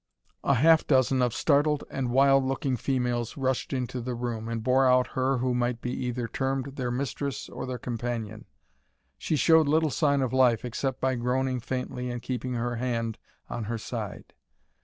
A half dozen of startled wild looking females rushed into the room, and bore out her who might be either termed their mistress or their companion. She showed little sign of life, except by groaning faintly and keeping her hand on her side.